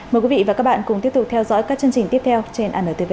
mời quý vị và các bạn cùng tiếp tục theo dõi các chương trình tiếp theo trên antv